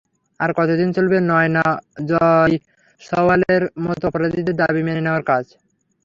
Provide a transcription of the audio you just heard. আর কতদিন চলবে নায়না জয়সওয়ালের মতো অপরাধীদের দাবি মেনে নেওয়ার কাজ?